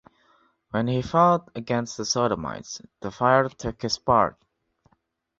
When he fought against the Sodomites, the fire took his part.